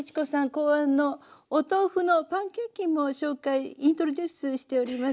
考案のお豆腐のパンケーキも紹介ｉｎｔｒｏｄｕｃｅしております。